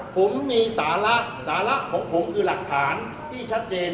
ผมมีสาระสาระของผมคือหลักฐานที่ชัดเจน